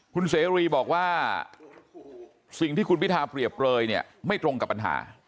คุณเสรีบอกว่าสิ่งที่คุณพิทาเปรียบเปลยเนี่ยไม่ตรงกับปัญหา